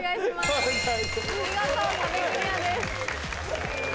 見事壁クリアです。